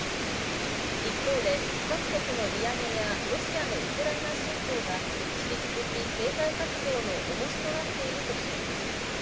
一方で、各国の利上げやロシアのウクライナ侵攻が、引き続き経済活動のおもしとなっているとしています。